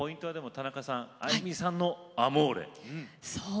田中さん、辰巳さんの「アモーレ」。